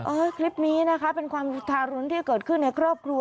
คลิปนี้นะคะเป็นความทารุณที่เกิดขึ้นในครอบครัว